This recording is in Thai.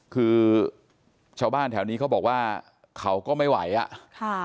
คือชาวบ้านแถวนี้เขาบอกว่าเขาก็ไม่ไหวอ่ะค่ะ